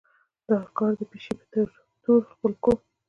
دا کار د پيشې پۀ طور خپل کړو